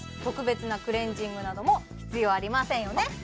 特別なクレンジングなども必要ありませんよね？